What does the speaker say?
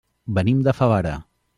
Venim de Favara.